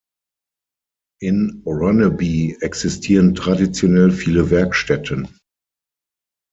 In Ronneby existieren traditionell viele Werkstätten.